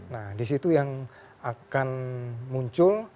nah di situ yang akan muncul